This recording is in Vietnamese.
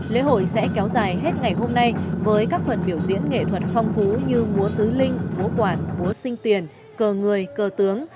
lễ hội sẽ kéo dài hết ngày hôm nay với các phần biểu diễn nghệ thuật phong phú như múa tứ linh múa quản búa sinh tiền cờ người cờ tướng